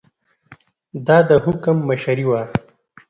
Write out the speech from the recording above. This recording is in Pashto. دا د حکم مشري وه.